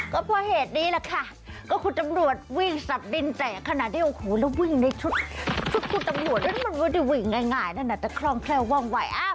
ก็เพราะเหตุนี้แหละค่ะก็คุณตำรวจวิ่งสัตว์ดินแตกขณะที่อุ้ยแล้ววิ่งในชุดชุดคุณตำรวจนี่มันวิ่งง่ายนะนะน่ะน่าจะคล่องแคลว่องว่าย